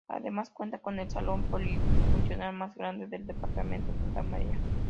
Además, cuenta con el Salón Polifuncional más grande del departamento Santa María.